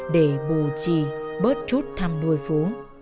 để bù trì bớt chút thăm nuôi phú